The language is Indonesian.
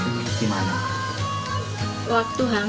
pas dimakan waktu dimakan